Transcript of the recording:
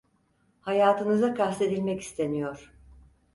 Hayatınıza kastedilmek isteniyor…